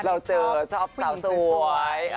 เราเจอชอบสาวสวย